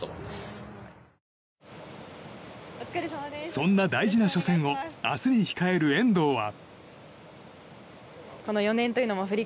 そんな大事な初戦を明日に控える遠藤は。